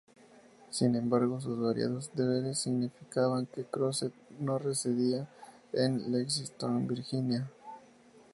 Sin embargo, sus variados deberes significaban que Crozet no residía en Lexington, Virginia.